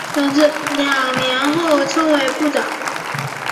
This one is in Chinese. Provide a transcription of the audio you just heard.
两年后升为部长。